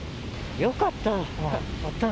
よかった。